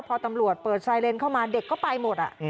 พอตำรวจเปิดไซเลนเข้ามาเด็กก็ไปหมด